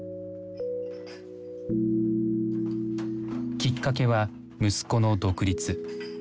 きっかけは息子の独立。